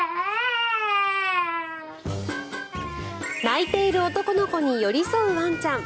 泣いている男の子に寄り添うワンちゃん。